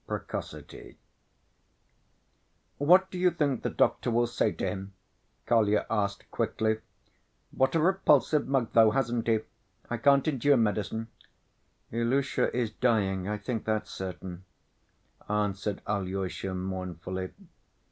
Precocity "What do you think the doctor will say to him?" Kolya asked quickly. "What a repulsive mug, though, hasn't he? I can't endure medicine!" "Ilusha is dying. I think that's certain," answered Alyosha, mournfully.